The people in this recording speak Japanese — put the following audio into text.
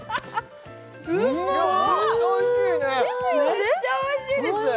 めっちゃおいしいです！